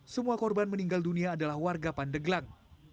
semua korban meninggal dunia adalah warga pandeglang